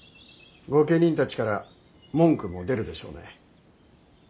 御家人たちから文句も出るでしょうね。